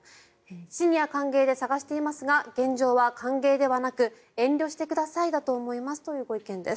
シニア歓迎で探していますが現状は歓迎ではなく遠慮してくださいだと思いますというご意見です。